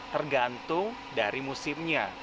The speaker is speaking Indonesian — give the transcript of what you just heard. tergantung dari musimnya